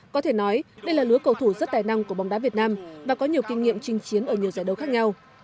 có thể nói đây là lứa cầu thủ rất tài năng của bóng đá việt nam và có nhiều kinh nghiệm trinh chiến ở nhiều giải đấu khác nhau